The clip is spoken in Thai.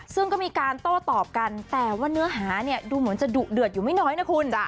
ซึ่งก็มีการโต้ตอบกันแต่ว่าเนื้อหาเนี่ยดูเหมือนจะดุเดือดอยู่ไม่น้อยนะคุณ